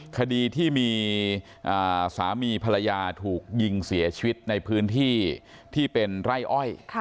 คดีที่มีสามีภรรยาถูกยิงเสียชีวิตในพื้นที่ที่เป็นไร่อ้อย